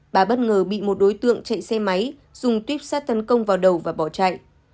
bà bất ngờ bị một đối tượng chạy xe máy dùng tuyếp sát tấn công vào đầu và bỏ chạy